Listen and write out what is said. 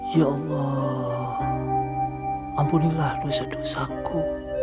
ya allah ampunilah dosa dosaku